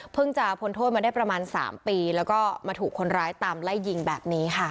จะพ้นโทษมาได้ประมาณ๓ปีแล้วก็มาถูกคนร้ายตามไล่ยิงแบบนี้ค่ะ